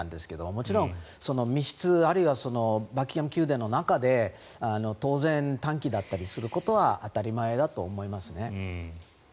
もちろん密室あるいはバッキンガム宮殿の中で当然、短気だったりすることは当たり前だと思いますね。